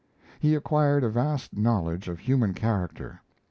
He acquired a vast knowledge of human character.